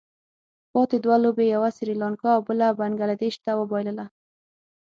پاتې دوه لوبې یې یوه سري لانکا او بله بنګله دېش ته وبايلله.